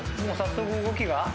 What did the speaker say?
もう早速動きが。